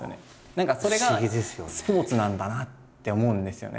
何かそれがスポーツなんだなって思うんですよね。